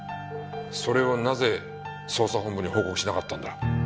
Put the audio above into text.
それをなぜ捜査本部に報告しなかったんだ？